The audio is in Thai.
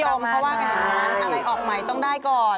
เพราะว่าการทำอะไรออกไหมต้องได้ก่อน